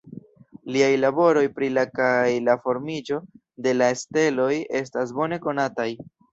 Liaj laboroj pri la kaj la formiĝo de la steloj estas bone konataj.